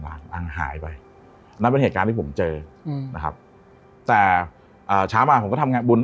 หลังหายไปนั่นเป็นเหตุการณ์ที่ผมเจออืมนะครับแต่อ่าเช้ามาผมก็ทำงานบุญ